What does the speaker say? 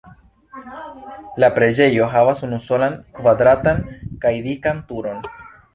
La preĝejo havas unusolan kvadratan kaj dikan turon.